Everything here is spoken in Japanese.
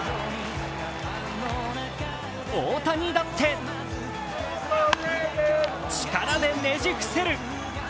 大谷だって力でねじ伏せる。